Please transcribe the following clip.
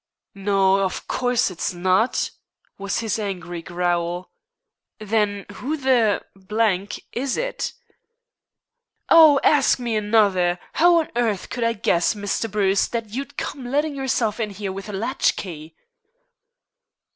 "No, of course it's not," was his angry growl. "Then who the is it?" "Oh, ask me another! How on earth could I guess, Mr. Bruce, that you'd come letting yourself in here with a latchkey?"